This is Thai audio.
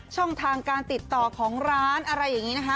ช่องทางการติดต่อของร้านอะไรอย่างนี้นะคะ